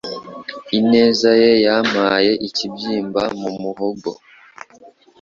Ineza ye yampaye ikibyimba mu muhogo.